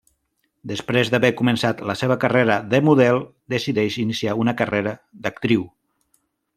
Després d'haver començat la seva carrera de model, decideix iniciar una carrera d'actriu.